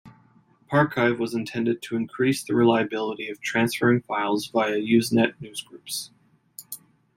Parchive was intended to increase the reliability of transferring files via Usenet newsgroups.